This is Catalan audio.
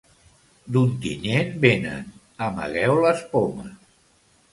D'Ontinyent venen: amagueu les pomes!